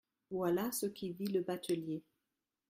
Voilà ce que vit le batelier.